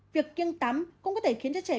việc kiêng tắm cũng có thể khiến cho trẻ